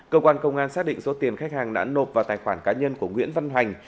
cơ quan công an xác định số tiền khách hàng đã nộp vào tài khoản cá nhân của nguyễn văn hoành